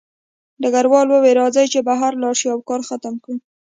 ډګروال وویل راځئ چې بهر لاړ شو او کار ختم کړو